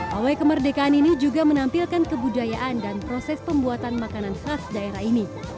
pawai kemerdekaan ini juga menampilkan kebudayaan dan proses pembuatan makanan khas daerah ini